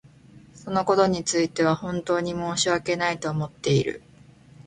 そのことについては本当に申し訳ないと思っている。